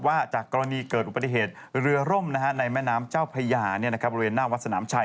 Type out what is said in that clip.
จากกรณีเกิดอุบัติเหตุเรือร่มในแม่น้ำเจ้าพญาบริเวณหน้าวัดสนามชัย